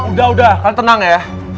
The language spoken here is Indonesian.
udah udah kan tenang ya